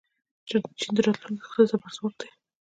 چین د راتلونکي اقتصادي زبرځواک دی.